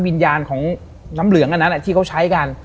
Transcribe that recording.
วิญญาณของน้ำเหลืองอันนั้นที่เขาใช้กัน